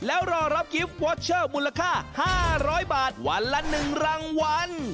แล้วรอรับกิฟต์วอเชอร์มูลค่า๕๐๐บาทวันละ๑รางวัล